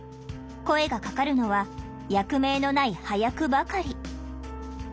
声がかかるのは役名のない端役ばかり。